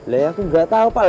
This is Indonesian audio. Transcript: lah ya aku nggak tahu pak